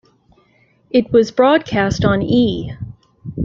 It was broadcast on E!